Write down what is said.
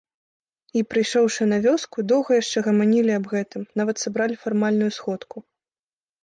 І, прыйшоўшы на вёску, доўга яшчэ гаманілі аб гэтым, нават сабралі фармальную сходку.